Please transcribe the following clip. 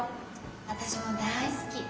私も大好き。